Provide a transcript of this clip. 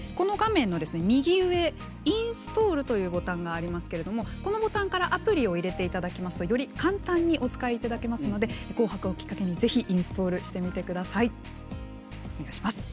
右上のインストールのボタンからアプリを入れていただきますとより簡単にお使いいただけますので「紅白」をきっかけに、ぜひインストールしてみてください。